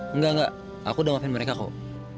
enggak enggak aku udah ngapain mereka kok